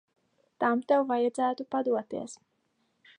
Tam tev vajadzētu padoties.